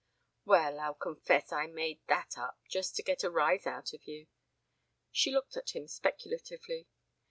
"Well, I'll confess I made that up just to get a rise out of you." She looked at him speculatively.